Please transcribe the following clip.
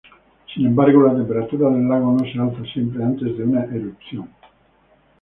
Sin embargo, la temperatura del lago no se alza siempre antes de una erupción.